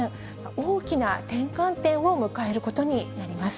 大きな転換点を迎えることになります。